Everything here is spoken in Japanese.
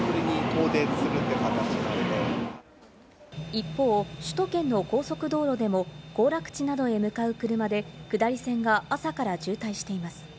一方、首都圏の高速道路でも行楽地などへ向かう車で下り線が朝から渋滞しています。